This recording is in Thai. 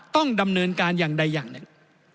ต้องดำเนินการอย่างใดอย่างหนึ่ง